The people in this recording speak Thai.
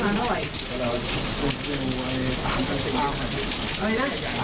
ไหนเนี่ย